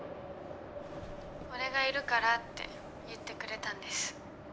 「俺がいるから」って言ってくれたんです。